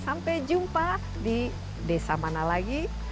sampai jumpa di desa mana lagi